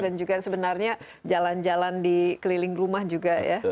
dan juga sebenarnya jalan jalan di keliling rumah juga ya